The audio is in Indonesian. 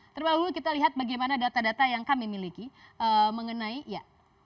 terlebih dahulu kita lihat bagaimana data data yang kami miliki mengenai ya